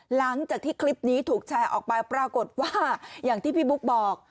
หลังจากที่คลิปนี้ถูกแชร์ออกไปปรากฏว่าอย่างที่พี่บุ๊กบอก